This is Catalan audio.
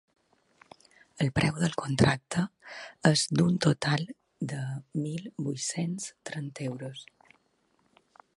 El preu del contracte es d’un total de mil vuit-cents trenta euros.